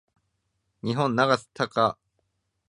日本・永瀬貴規の準決勝が始まりました。